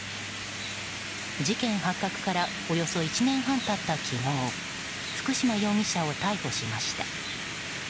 事件発覚からおよそ１年半経った昨日福島容疑者を逮捕しました。